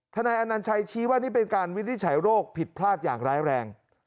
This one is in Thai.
นายอนัญชัยชี้ว่านี่เป็นการวินิจฉัยโรคผิดพลาดอย่างร้ายแรง